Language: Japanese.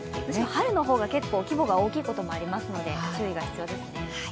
春の方が結構規模が大きいこともありますので、注意が必要ですね。